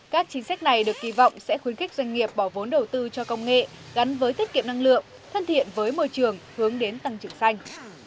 các chính sách này được kỳ vọng sẽ khuyến khích doanh nghiệp bỏ vốn đầu tư cho công nghệ gắn với tiết kiệm năng lượng thân thiện với môi trường hướng đến tăng trưởng xanh